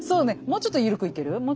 もうちょっとゆるくいける？